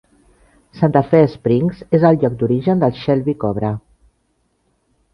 Santa Fe Springs és el lloc d'origen del Shelby Cobra.